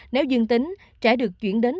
nếu dương tính trẻ được chuyển đến